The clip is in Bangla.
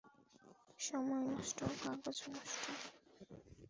সময় নষ্ট, কাগজ নষ্ট!